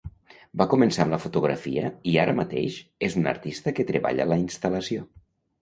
Va començar amb la fotografia i, ara mateix, és un artista que treballa la instal·lació.